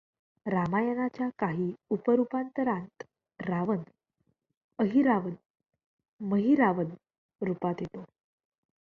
रामायणाच्या काही उप रूपांतरांत रावण अहिरावण महिरावण रूपात येतो.